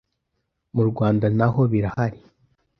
mu Rwanda naho birahari